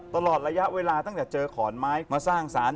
ตลอดระยะเวลาตั้งแต่เจอขอนไม้มาสร้างสาร